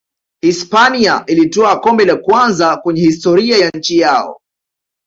hispania ilitwaa kombe la kwanza kwenye historia ya nchi yao